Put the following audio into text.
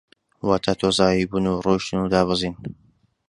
واتە تۆزاوی بوون و ڕۆیشتن و دابەزین